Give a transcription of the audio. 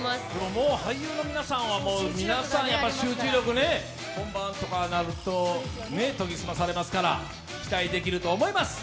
もう俳優の皆さんは集中力、本番とかなると研ぎ澄まされますから期待できると思います。